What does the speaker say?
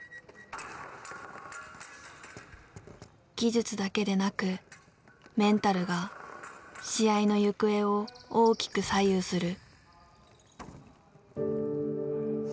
技術だけでなくメンタルが試合の行方を大きく左右する。